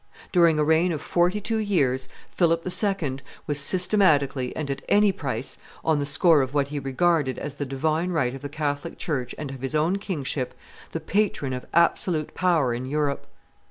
During a reign of forty two years Philip II. was, systematically and at any price, on the score of what he regarded as the divine right of the Catholic church and of his own kingship, the patron of absolute power in Europe.